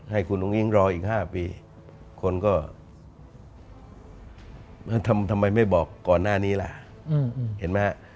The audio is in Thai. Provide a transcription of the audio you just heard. ให้คุณอุ้งอิ๊งรออีก๕ปีคนก็ทำไมไม่บอกก่อนหน้านี้ล่ะเห็นไหมฮะ